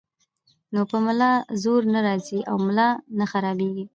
نو پۀ ملا زور نۀ راځي او ملا نۀ خرابيږي -